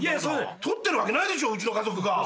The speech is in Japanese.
取ってるわけないでしょうちの家族が。